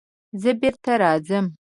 زه بېرته راځم.